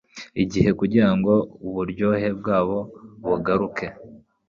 igihe kugira ngo uburyohe bwabo bugaruke